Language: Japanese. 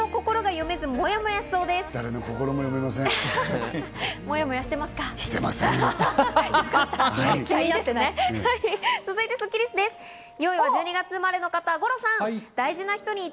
４位は１２月生まれの方、五郎さん。